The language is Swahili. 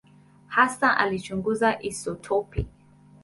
Hasa alichunguza isotopi.